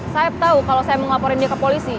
saeb tau kalau saya mau ngelaporin dia ke polisi